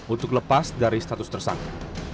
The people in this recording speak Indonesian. untuk lepas dari status tersangka